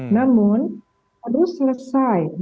namun harus selesai